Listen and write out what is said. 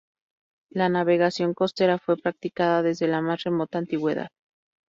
La navegación costera fue practicada desde la más remota antigüedad.